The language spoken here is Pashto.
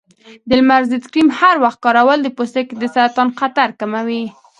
د لمر ضد کریم هر وخت کارول د پوستکي د سرطان خطر کموي.